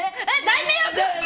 「大迷惑」！